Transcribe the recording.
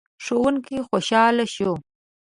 ښوونکی خوشحال شو.